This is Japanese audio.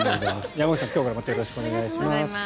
山口さん、今日からまたよろしくお願いします。